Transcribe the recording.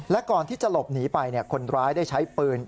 และก่อนที่จะหลบหนีไปคนร้ายได้ใช้ปืน